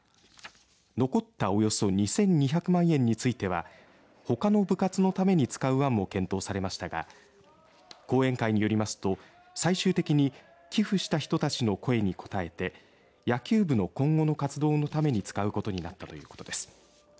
残ったおよそ２２００万円についてはほかの部活のために使う案も検討されましたが後援会によりますと最終的に寄付した人たちの声に応えて野球部の今後の活動のために使うことになったということです。